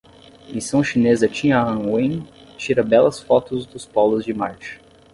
Missão chinesa Tianwen tira belas fotos dos polos de Marte